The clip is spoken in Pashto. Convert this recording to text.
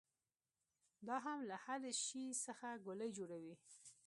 دا هم له هر شي څخه ګولۍ جوړوي.